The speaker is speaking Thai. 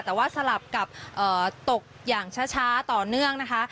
แต่ว่าสลับกับตกอย่างช้าต่อเนื่องนะคะ